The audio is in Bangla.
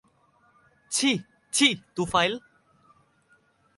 ছি, ছি, তুফাইল!